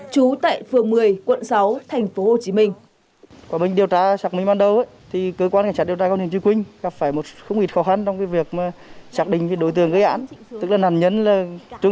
trú tại phường một mươi quận sáu tp hcm